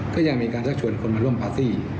ก็ยังมีการชักชวนคนมาร่วมปาร์ตี้